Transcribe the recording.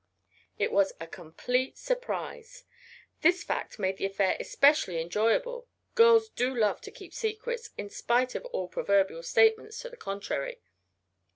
It was a complete surprise. This fact made the affair especially enjoyable girls do love to keep secrets in spite of all proverbial statements to the contrary.